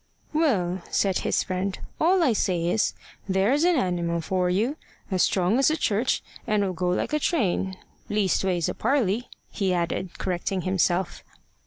"Well," said his friend, "all I say is There's a animal for you, as strong as a church; an'll go like a train, leastways a parly," he added, correcting himself.